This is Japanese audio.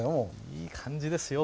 いい感じですよ